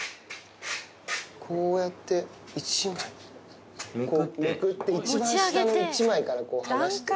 こうやってめくって一番下の一枚から剥がして。